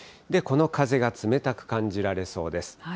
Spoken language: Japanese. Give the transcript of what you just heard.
この風が冷たく感じられそうです。